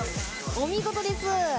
お見事です。